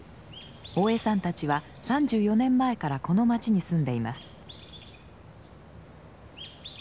大江さんたちは３４年前からこの街に住んでいます。